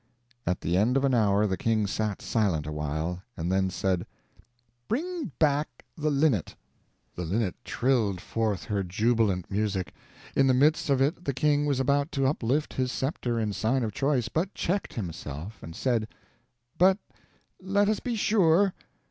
At the end of an hour the king sat silent awhile, and then said: "Bring back the linnet." The linnet trilled forth her jubilant music. In the midst of it the king was about to uplift his scepter in sign of choice, but checked himself and said: "But let us be sure.